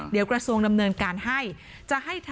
เดี๋ยวกระทรวงดำเนินการให้